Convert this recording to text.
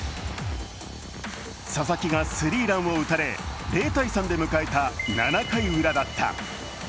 佐々木がスリーランを打たれ０−３で迎えた７回ウラだった。